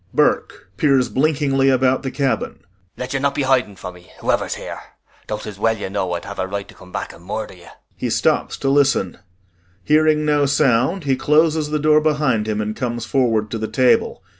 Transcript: ] BURKE [Peers blinkingly about the cabin hoarsely.] Let you not be hiding from me, whoever's here though 'tis well you know I'd have a right to come back and murder you. [He stops to listen. Hearing no sound, he closes the door behind him and comes forward to the table.